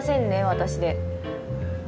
私で。